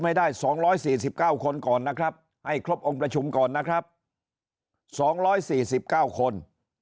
ไม่ได้๒๔๙คนก่อนนะครับให้ครบองค์ประชุมก่อนนะครับ๒๔๙คน